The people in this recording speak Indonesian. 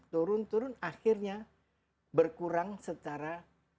turun turun akhirnya berkurang secara